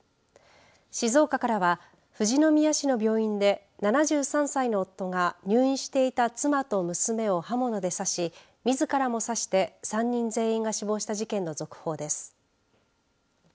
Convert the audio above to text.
静岡からは富士宮市の病院で７３歳の夫が入院していた妻と娘を刃物で刺しみずからも刺して、３人全員が死亡した事件の続報です。